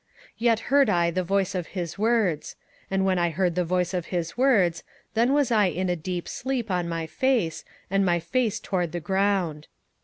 27:010:009 Yet heard I the voice of his words: and when I heard the voice of his words, then was I in a deep sleep on my face, and my face toward the ground.